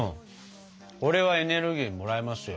これはエネルギーもらえますよ。